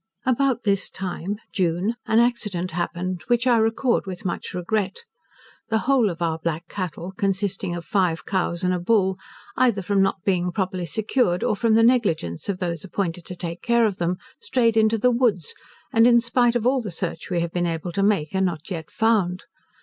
About this time (June) an accident happened, which I record with much regret. The whole of our black cattle, consisting of five cows and a bull, either from not being properly secured, or from the negligence of those appointed to take care of them, strayed into the woods, and in spite of all the search we have been able to make, are not yet found.